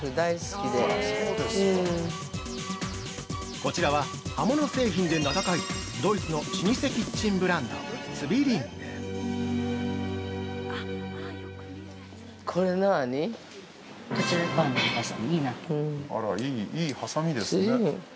◆こちらは、刃物製品で名高いドイツの老舗キッチンブランド「ＺＷＩＬＬＩＮＧ」◆いいはさみですね。